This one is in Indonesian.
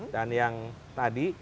dan yang tadi